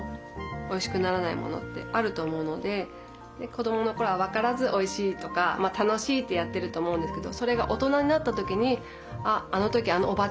子供のころは分からずおいしいとか楽しいってやってると思うんですけど。